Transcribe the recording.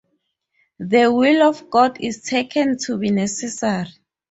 The will of God is taken to be necessary.